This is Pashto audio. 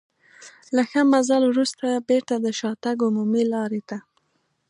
له ښه مزل وروسته بېرته د شاتګ عمومي لارې ته.